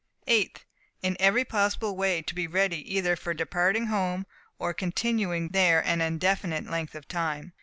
8th. In every possible way to be ready either for departing home, or continuing there an indefinite length of time.